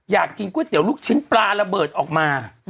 อยากกินก๋วยเตี๋ยวลูกชิ้นปลาระเบิดออกมา